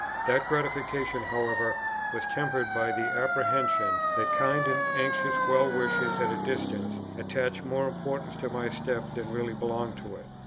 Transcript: That gratification, however, was tempered by the apprehension, that kind and anxious well wishers at a distance attach more importance to my step than really belongs to it.